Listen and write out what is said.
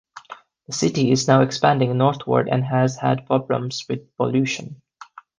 The city is now expanding northward and has had problems with pollution.